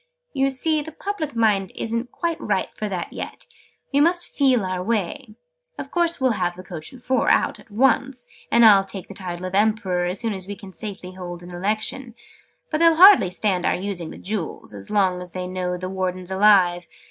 "You see the public mind isn't quite ripe for it yet. We must feel our way. Of course we'll have the coach and four out, at once. And I'll take the title of Emperor, as soon as we can safely hold an Election. But they'll hardly stand our using the Jewels, as long as they know the Warden's alive.